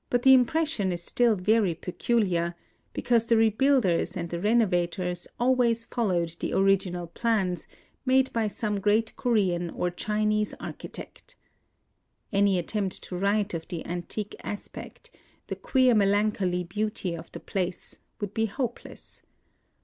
But the impression is still very peculiar, because the rebuilders and the renovators always followed the origi nal plans, made by some great Korean or Chinese architect. Any attempt to write of the antique aspect, the queer melancholy beauty of the place, would be hopeless.